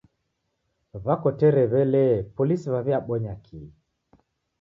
W'akotere w'ele polisi w'awiabonya kii?